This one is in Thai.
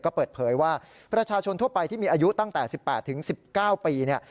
ก็เปิดเผยว่าประชาชนทั่วไปที่มีอายุตั้งแต่๑๘๑๙ปีเนี่ย